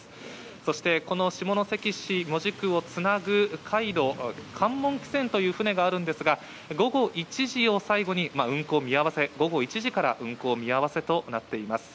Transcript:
そしてこの下関市・門司区をつなぐ海路、関門汽船という船があるんですが、午後１時を最後に運航見合わせ、午後１時から運航見合わせとなっています。